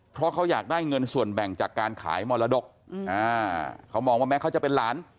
เพราะเขาอยากได้เงินส่วนแบ่งจากการขายมรดกเขามองว่าแม้เขาจะเป็นหลาน